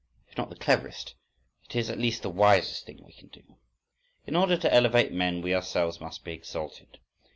_—If not the cleverest, it is at least the wisest thing we can do. In order to elevate men we ourselves must be exalted.